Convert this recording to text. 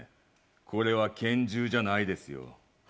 これは拳銃じゃないですよ。